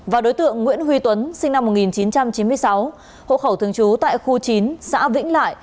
và đối tượng nguyễn huy tuấn sinh năm một nghìn chín trăm chín mươi sáu hộ khẩu thường trú tại khu chín xã vĩnh lại